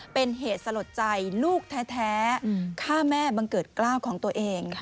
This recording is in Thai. เป็นเหตุสลดใจลูกแท้ฆ่าแม่บังเกิดกล้าวของตัวเอง